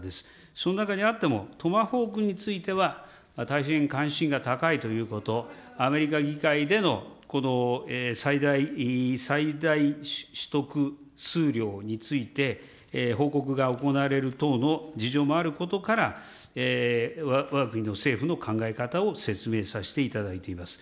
その中にあっても、トマホークについては、大変関心が高いということ、アメリカ議会での最大取得数量について、報告が行われる等の事情もあることから、わが国の政府の考え方を説明させていただいています。